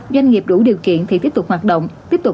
doanh nghiệp đủ điều kiện thì tiếp tục hoạt động